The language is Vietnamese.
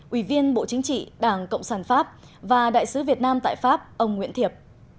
ủy viên bộ chính trị đảng cộng sản pháp và đại sứ việt nam tại pháp ông nguyễn thiệp